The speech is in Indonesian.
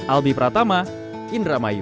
albi pratama indra mayu